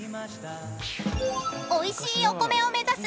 ［おいしいお米を目指す